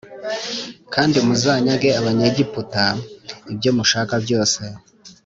kandi muzanyage Abanyegiputa ibyomushaka byose